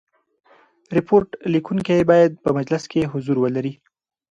ریپورټ لیکوونکی باید په مجلس کي حضور ولري.